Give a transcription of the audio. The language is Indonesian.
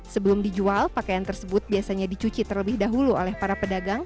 sebelum dijual pakaian tersebut biasanya dicuci terlebih dahulu oleh para pedagang